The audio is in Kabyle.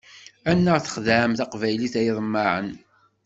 Annaɣ txedɛem taqbaylit ay iḍemmaɛen!